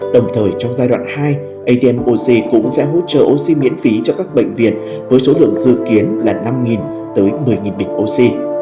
đồng thời trong giai đoạn hai atm oxy cũng sẽ hỗ trợ oxy miễn phí cho các bệnh viện với số lượng dự kiến là năm một mươi bịch oxy